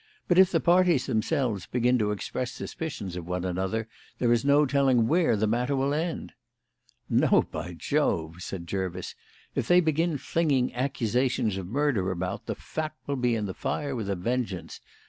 But if the parties themselves begin to express suspicions of one another there is no telling where the matter will end." "No, by Jove!" said Jervis. "If they begin flinging accusations of murder about, the fat will be in the fire with a vengeance.